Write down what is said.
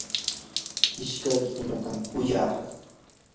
ishkaykiykunatam kuyaa.